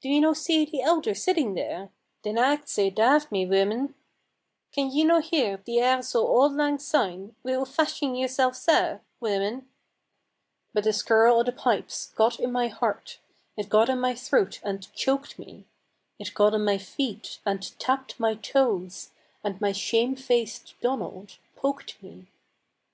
"Do ye no see the elder sitting there? Dinna act sae daft, my wooman. Can ye no hear the airs o' auld lang syne Wi'oot fashin' yersel' sae, wooman?" But the skirl o' the pipes got in my heart, It got in my throat and choked me, It got in my feet, and tapped my toes, And my shame faced Donald poked me.